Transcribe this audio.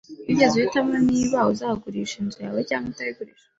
Wigeze uhitamo niba uzagurisha inzu yawe cyangwa utayigurisha?